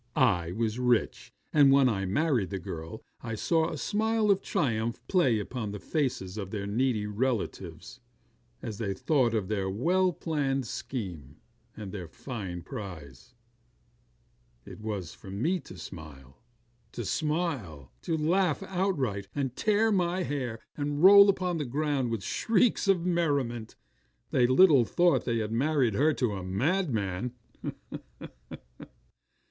I was rich; and when I married the girl, I saw a smile of triumph play upon the faces of her needy relatives, as they thought of their well planned scheme, and their fine prize. It was for me to smile. To smile! To laugh outright, and tear my hair, and roll upon the ground with shrieks of merriment. They little thought they had married her to a madman.